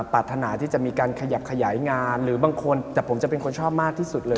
ปรารถนาที่จะมีการขยับขยายงานหรือบางคนแต่ผมจะเป็นคนชอบมากที่สุดเลย